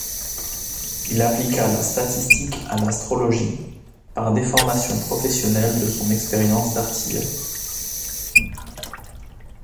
Il appliqua la statistique à l’astrologie, par déformation professionnelle de son expérience d’artilleur.